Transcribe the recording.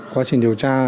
quá trình điều tra